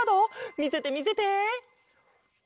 みせてみせて！